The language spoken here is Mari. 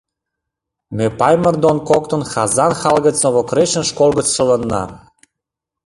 Мӓ Паймыр дон коктын Хазан хала гӹц Новокрешен школ гӹц шӹлынна.